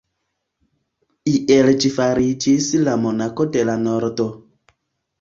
Iel ĝi fariĝis la Monako de la Nordo.